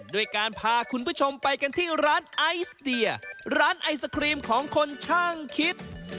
ด้วยการพาคุณผู้ชมไปกันที่ร้านไอศเดียร้านไอศครีมของคนช่างคิด